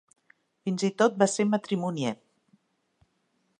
Fins i tot va ser matrimonier.